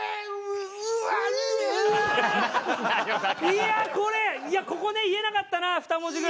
いやあこれここね言えなかったな２文字ぐらい。